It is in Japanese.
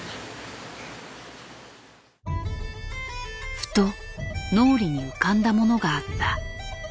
ふと脳裏に浮かんだものがあった。